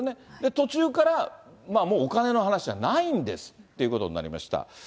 途中から、もうお金の話じゃないんですっていうことになりました。